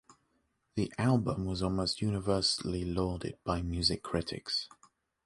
The album was almost universally lauded by music critics.